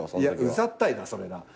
いやうざったいなそれ。